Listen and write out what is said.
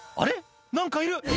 何かいる」